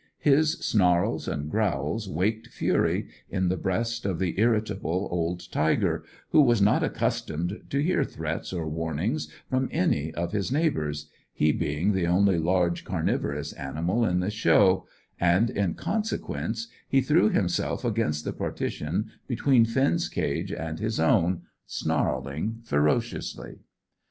His snarls and growls waked fury in the breast of the irritable old tiger, who was not accustomed to hear threats or warnings from any of his neighbours, he being the only large carnivorous animal in the show, and, in consequence, he threw himself against the partition between Finn's cage and his own, snarling ferociously.